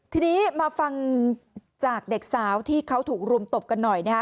ทีนี้มาฟังจากเด็กสาวที่เขาถูกรุมตบกันหน่อยนะฮะ